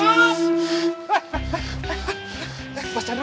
eh mas chandra